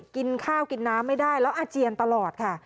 กินข้าวกินน้ำไม่ได้แล้วอาเจียนตลอดค่ะ